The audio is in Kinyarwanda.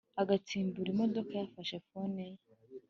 agitsimbura imodoka yafashe fone ye